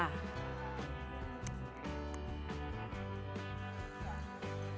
hutan dejawatan terletak di benculuk kecamatan celuring